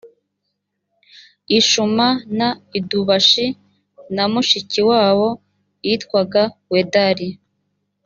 ishuma na idubashi na mushiki wabo yitwaga wedari